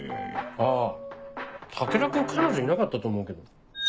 あぁ武田君彼女いなかったと思うけど。